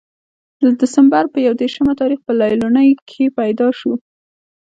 د دسمبر پۀ يو ديرشم تاريخ پۀ ليلوڼۍ کښې پېداشو